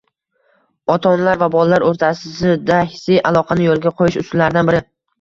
Ota-onalar va bolalar o‘rtasida hissiy aloqani yo‘lga qo‘yish usullaridan biri